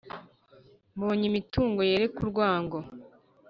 Mbonye imitungo yareka urwango